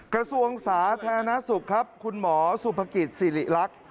กระทรวงสาธารณสุขครับคุณหมอสุภกิจสิริรักษ์